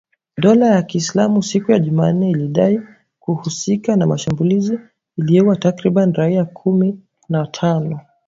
Dola ya ki islamu siku ya Jumanne lilidai kuhusika na shambulizi lililoua takribani raia kumi na tano